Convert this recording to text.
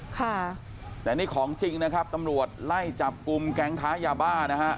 ค่ะแต่นี่ของจริงนะครับตำรวจไล่จับกลุ่มแก๊งค้ายาบ้านะฮะ